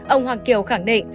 ông hoàng kiều khẳng định